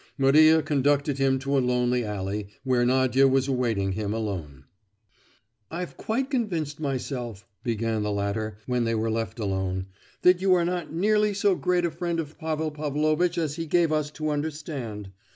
Maria conducted him to a lonely alley, where Nadia was awaiting him alone. "I have quite convinced myself," began the latter, when they were left alone, "that you are not nearly so great a friend of Pavel Pavlovitch as he gave us to understand.